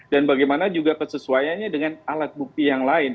dan bagaimana juga kesesuaiannya dengan alat bukti yang lain